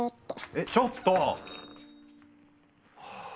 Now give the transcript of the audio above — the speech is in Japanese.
えちょっと！